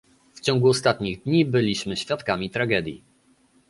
W ciągu ostatnich dni byliśmy świadkami tragedii